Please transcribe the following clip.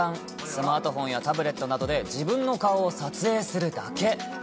スマートフォンやタブレットなどで、自分の顔を撮影するだけ。